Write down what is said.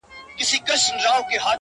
په سپوږمۍ كي زمـــا ژوندون دى ـ